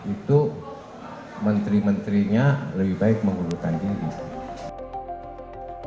itu menteri menterinya lebih baik mengundurkan diri